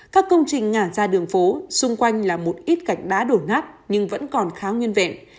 các công trình ngã ra đường phố xung quanh là một ít gạch đá đổ nát nhưng vẫn còn khá nguyên vẹn